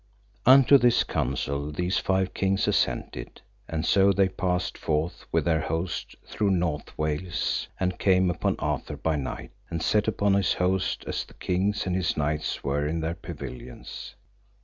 Unto this counsel these five kings assented, and so they passed forth with their host through North Wales, and came upon Arthur by night, and set upon his host as the king and his knights were in their pavilions.